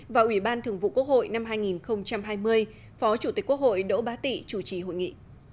và ủy ban thường vụ quốc hội năm hai nghìn hai mươi phó chủ tịch quốc hội đỗ bá tị chủ trì hội nghị